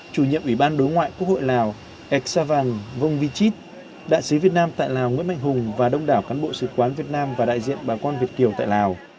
chủ nhiệm ủy ban đối ngoại quốc hội lào exavang vongvichit đại sứ việt nam tại lào nguyễn mạnh hùng và đông đảo cán bộ sự quán việt nam và đại diện bà con việt kiều tại lào